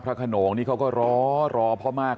สวัสดีครับคุณผู้ชาย